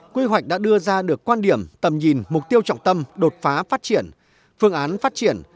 quy hoạch đã đưa ra được quan điểm tầm nhìn mục tiêu trọng tâm đột phá phát triển phương án phát triển